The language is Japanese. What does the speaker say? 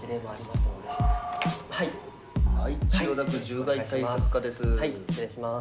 はい千代田区獣害対策課です。